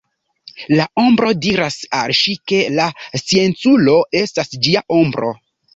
La ombro diras al ŝi ke la scienculo estas ĝia ombro.